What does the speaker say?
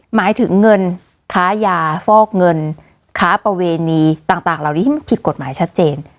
หมายถึงเงินค้ายาฟอกเงินค้าประเวณีต่างเหล่านี้ที่มันผิดกฎหมายชัดเจน